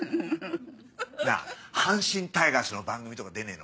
なぁ阪神タイガースの番組とか出ねえの？